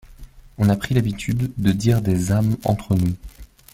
On a pris l’habitude de dire des âmes, entre nous.